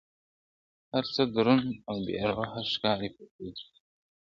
• هر څه دروند او بې روحه ښکاري په کور کي,